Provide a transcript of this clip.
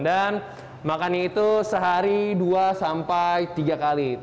dan makannya itu sehari dua sampai tiga kali